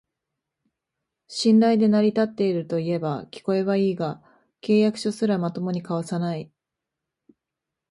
信頼で成り立ってるといえば聞こえはいいが、契約書すらまともに交わさない